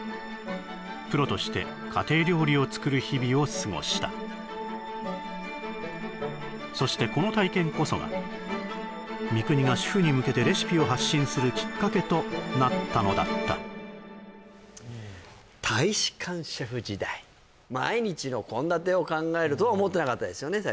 プロとして家庭料理を作る日々を過ごしたそしてこの体験こそが三國が主婦に向けてレシピを発信するきっかけとなったのだった大使館シェフ時代最初はね